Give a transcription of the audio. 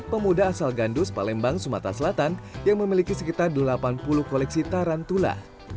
pemuda asal gandus palembang sumatera selatan yang memiliki sekitar delapan puluh koleksi tarantula